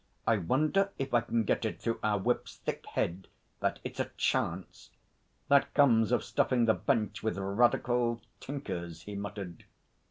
'I wonder if I can get it through our Whip's thick head that it's a chance.... That comes of stuffing the Bench with radical tinkers,' he muttered.